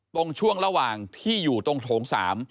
ตรงช่วงระหว่างที่อยู่ตรงโถง๓